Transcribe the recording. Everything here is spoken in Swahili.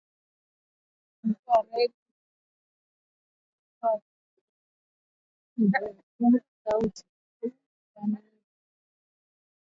Kufunga reli ya kisasa iliyojengwa na China kwa gharama ya dola bilioni tatu